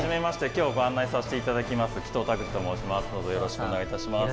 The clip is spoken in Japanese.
今日ご案内させていただききます